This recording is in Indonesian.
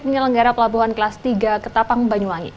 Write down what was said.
penyelenggara pelabuhan kelas tiga ketapang banyuwangi